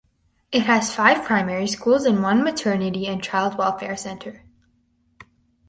It has five primary schools and one maternity and child welfare centre.